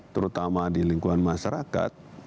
terutama di lingkungan masyarakat